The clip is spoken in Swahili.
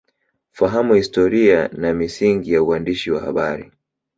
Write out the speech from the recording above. Fahamu Historia Na Miasingi Ya Uwandishi Wa Habari